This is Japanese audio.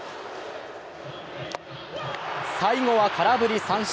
最後は空振り三振。